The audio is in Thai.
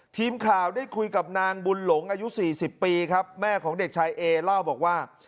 ทีมข่าวได้คุยกับนางบุญหลงอายุ๔๐ปีครับแม่ของเด็กชายเอเล่าบอกว่า